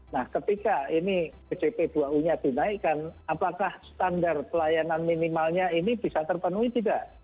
nah ketika ini pjp dua u nya dinaikkan apakah standar pelayanan minimalnya ini bisa terpenuhi tidak